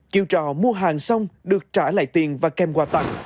chiều trò mua hàng xong được trả lại tiền và kem quà tặng